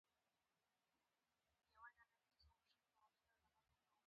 هر ستوری د خپل روښانه ژوند لپاره تېرېږي.